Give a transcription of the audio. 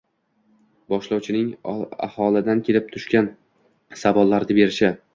Boshlovchining aholidan kelib tushgan savollarni berishi